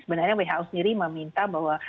sebenarnya who sendiri meminta bahwa